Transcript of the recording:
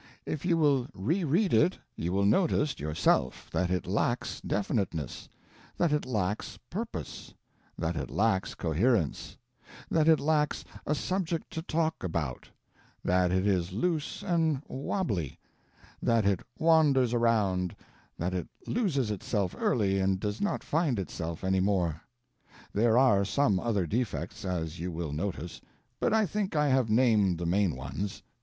If you will re read it you will notice, yourself, that it lacks definiteness; that it lacks purpose; that it lacks coherence; that it lacks a subject to talk about; that it is loose and wabbly; that it wanders around; that it loses itself early and does not find itself any more. There are some other defects, as you will notice, but I think I have named the main ones.